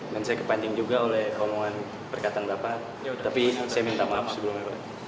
dan saya kepanding juga oleh omongan perkataan bapak tapi saya minta maaf sebelumnya